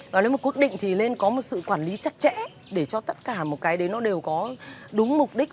và nếu một quy định thì nên có một sự quản lý chắc chẽ để cho tất cả một cái đấy nó đều có đúng mục đích